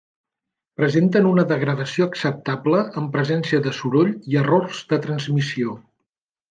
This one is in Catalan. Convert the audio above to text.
Presenten una degradació acceptable en presència de soroll i errors de transmissió.